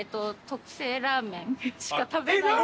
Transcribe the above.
特製ラーメンしか食べない。